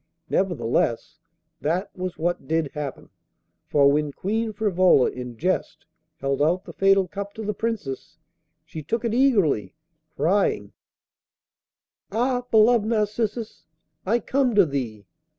Nevertheless, that was what did happen, for when Queen Frivola in jest held out the fatal cup to the Princess, she took it eagerly, crying: 'Ah! beloved Narcissus, I come to thee!